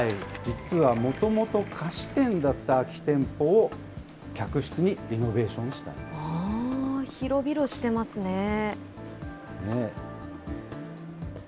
実は、もともと菓子店だった空き店舗を、客室にリノベーショ広々してますね。